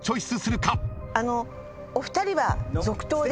あのお二人は続投で。